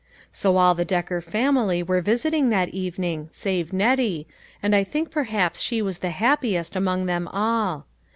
So all the Decker family were visiting that evening, save Nettie, and I think perhaps she was the happi est among them all.